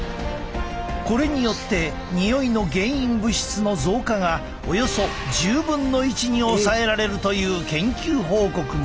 これによってにおいの原因物質の増加がおよそ１０分の１に抑えられるという研究報告も。